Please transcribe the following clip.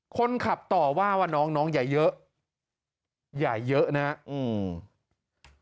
คนขับต่อว่าว่าน้องอย่าเยอะอย่าเยอะนะครับ